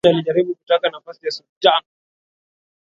Thuwain alijaribu kutaka nafasi ya usultan